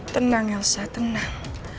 tenang elsa tenang